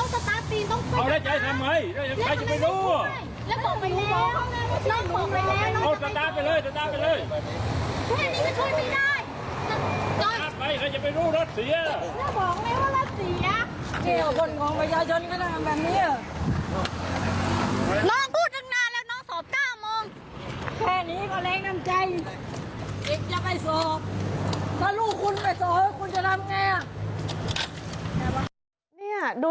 คือเหมือนกับพี่สาวเขามา